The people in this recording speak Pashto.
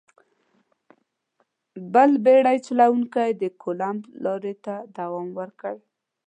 بل بېړۍ چلوونکي د کولمب لارې ته دوام ورکړ.